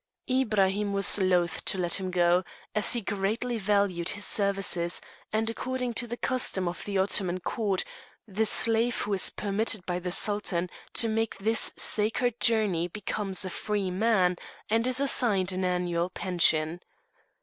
Ibrahim was loath to let him go, as he greatly valued his services, and, according to the custom of the Ottoman court, the slave who is permitted by the Sultan to make this sacred journey becomes a free man, and is assigned an annual pension.